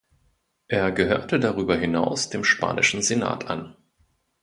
Er gehörte darüber hinaus dem spanischen Senat an.